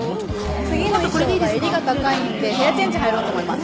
次の衣装が襟が高いんでヘアチェンジ入ろうと思います。